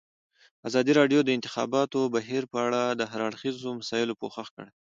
ازادي راډیو د د انتخاباتو بهیر په اړه د هر اړخیزو مسایلو پوښښ کړی.